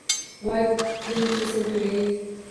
Voy, tiling kesilgur-ey